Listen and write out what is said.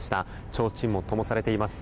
ちょうちんもともされています。